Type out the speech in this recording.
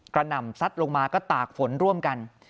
หน่ำซัดลงมาก็ตากฝนร่วมกัน